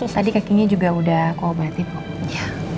tadi kakinya juga udah kubat itu ya